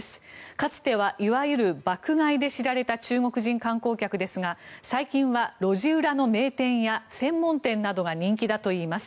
かつてはいわゆる爆買いで知られた中国人観光客ですが最近は路地裏の名店や専門店などが人気だといいます。